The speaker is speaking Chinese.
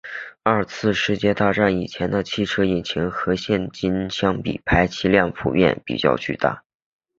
二次世界大战以前的汽车引擎和现今相比排气量普遍比较巨大。